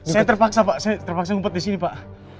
saya terpaksa pak saya terpaksa ngumpet disini pak